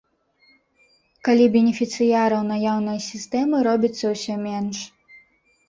Калі бенефіцыяраў наяўнай сістэмы робіцца ўсё менш.